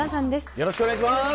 よろしくお願いします。